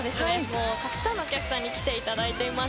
たくさんのお客さんに来ていただいています。